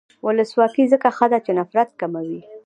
ولسواکي ځکه ښه ده چې نفرت کموي.